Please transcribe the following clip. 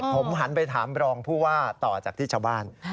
ผมหันไปถามรองผู้ว่าต่อจากที่ชาวบ้าน